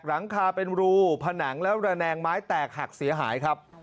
หลังคาเป็นรูผนังแล้วระแนงไม้แตกหักเสียหายครับ